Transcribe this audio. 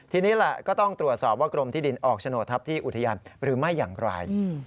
ทีนี้แหละก็ต้องตรวจสอบว่ากรมที่ดินออกโฉนดทัพที่อุทยานหรือไม่อย่างไร